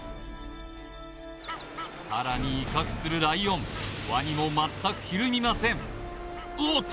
さらに威嚇するライオンワニも全くひるみませんおっと！